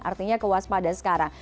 artinya kewaspadaan sekarang